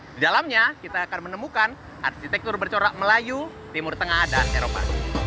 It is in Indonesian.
di dalamnya kita akan menemukan arsitektur bercorak melayu timur tengah dan eropa